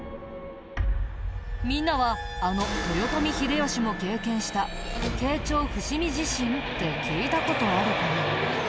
みんなはあの豊臣秀吉も経験した慶長伏見地震って聞いた事あるかな？